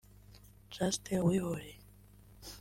Chaste Uwihoreye